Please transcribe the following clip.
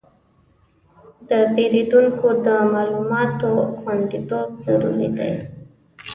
د پیرودونکو د معلوماتو خوندیتوب ضروري دی.